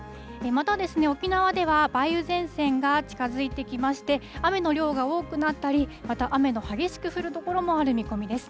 また、沖縄では梅雨前線が近づいてきまして、雨の量が多くなったり、また雨の激しく降る所もある見込みです。